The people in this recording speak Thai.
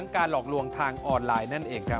กฎหมายศ